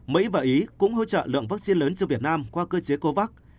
mỹ và ý cũng hỗ trợ lượng vaccine lớn cho việt nam qua cơ chế covax